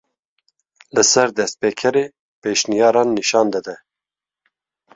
Li ser destpêkerê pêşniyaran nîşan dide.